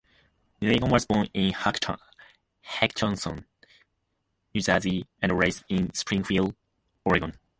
Millegan was born in Hackettstown, New Jersey, and raised in Springfield, Oregon.